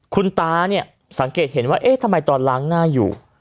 คุณตาเนี่ยสังเกตเห็นว่าเอ๊ะทำไมตอนล้างหน้าอยู่